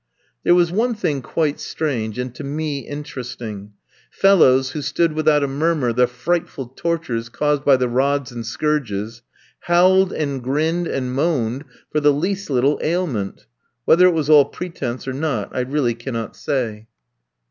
There was one thing quite strange, and to me interesting. Fellows, who stood without a murmur the frightful tortures caused by the rods and scourges, howled, and grinned, and moaned for the least little ailment. Whether it was all pretence or not, I really cannot say.